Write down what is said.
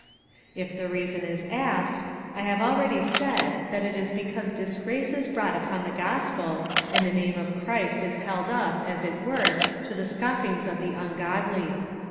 If the reason is asked, I have already said, that it is because disgrace is brought upon the gospel, and the name of Christ is held up as it were to the scofiings of the ungodlj''.